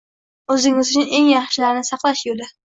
O‘zing uchun eng yaxshilarini saqlash yo‘li